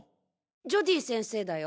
ジョディ先生だよ。